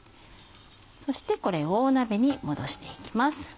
そしてこれを鍋に戻していきます。